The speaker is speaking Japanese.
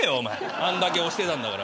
あんだけ推してたんだから。